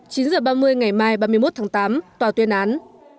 chín h ba mươi ngày mai ba mươi một tháng tám tòa tuyên án